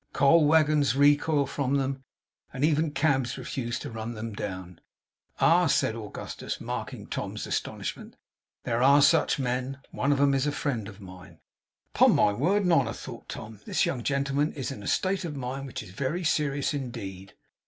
Coal waggons recoil from them, and even cabs refuse to run them down. Ah!' said Augustus, marking Tom's astonishment. 'There are such men. One of 'em is a friend of mine.' 'Upon my word and honour,' thought Tom, 'this young gentleman is in a state of mind which is very serious indeed!